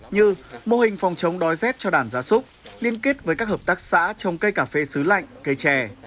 như mô hình phòng trống đói rét cho đàn giá súc liên kết với các hợp tác xã trong cây cà phê xứ lạnh cây trè